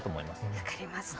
分かりました。